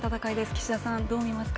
岸田さん、どう見ますか？